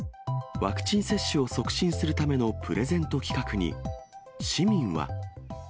ワクチン接種を促進するためのプレゼント企画に市民は。